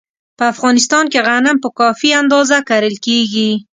په افغانستان کې غنم په کافي اندازه کرل کېږي.